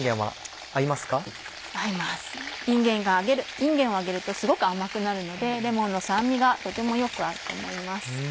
いんげんを揚げるとすごく甘くなるのでレモンの酸味がとてもよく合うと思います。